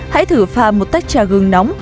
hãy thử pha một tách trà gừng nóng